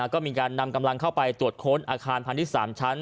ก็มีการนำกำลังเข้าไปตรวจค้นอาคารพาณิชย์๓ชั้น